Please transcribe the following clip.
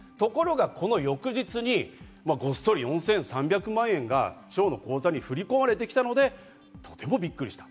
その翌日、ごっそり４３００万円が町の口座に振り込まれてきたのでとてもびっくりした。